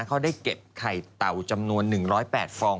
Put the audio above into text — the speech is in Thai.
เขาได้เก็บไข่เต่าจำนวน๑๐๘ฟอง